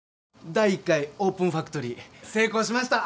第１回オープンファクトリー成功しました！